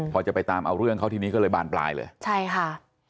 พอจะไปตามเอาเรื่องเขาทีนี้ก็เลยบานปลายเลยใช่ค่ะ